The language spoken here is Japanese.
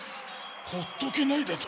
ほっとけないだと？